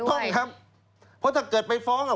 ต้องครับเพราะถ้าเกิดไปฟ้อง